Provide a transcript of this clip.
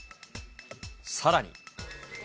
さらに。